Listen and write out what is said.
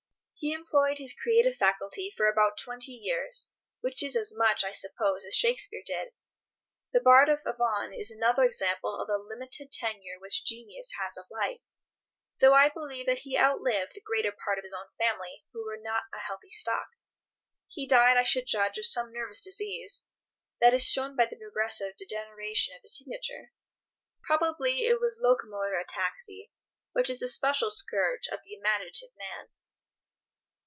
He employed his creative faculty for about twenty years, which is as much, I suppose, as Shakespeare did. The bard of Avon is another example of the limited tenure which Genius has of life, though I believe that he outlived the greater part of his own family, who were not a healthy stock. He died, I should judge, of some nervous disease; that is shown by the progressive degeneration of his signature. Probably it was locomotor ataxy, which is the special scourge of the imaginative man.